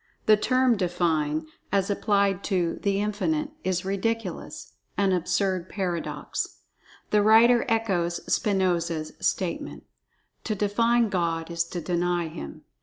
The term "define," as applied to "The Infinite," is ridiculous—an absurd paradox. The writer echoes Spinoza's statement: "To define God is to deny Him."